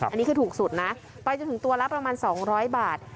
อันนี้คือถูกสุดนะไปจนถึงตัวละประมาณ๒๐๐บาท